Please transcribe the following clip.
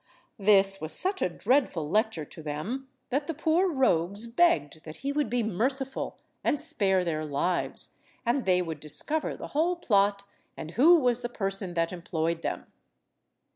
This was such a dreadful lecture to them that the poor rogues begged that he would be merciful and spare their lives, and they would discover the whole plot, and who was the person that employed them.